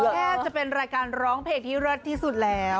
แทบจะเป็นรายการร้องเพลงที่เลิศที่สุดแล้ว